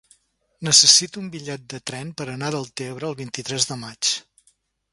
Necessito un bitllet de tren per anar a Deltebre el vint-i-tres de maig.